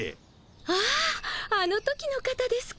あああの時の方ですか！